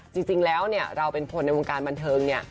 จริงแล้วเนี่ยเราเป็นคนในวงการบันเทิงเนี่ย